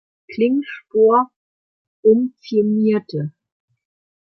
Klingspor umfirmierte.